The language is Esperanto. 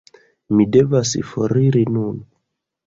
Mi devas foriri nun